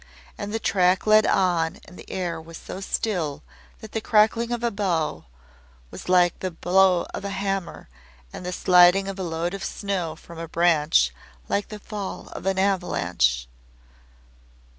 And the track led on and the air was so still that the cracking of a bough was like the blow of a hammer, and the sliding of a load of snow from a branch like the fall of an avalanche.